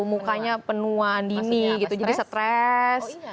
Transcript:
mukanya penuh andini gitu jadi stres